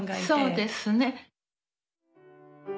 そうですね。